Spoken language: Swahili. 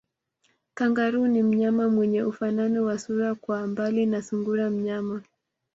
Kangaroo ni mnyama mwenye ufanano wa sura kwa mbali na sungura mnyama